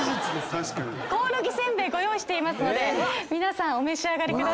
コオロギせんべいご用意してますので皆さんお召し上がりください。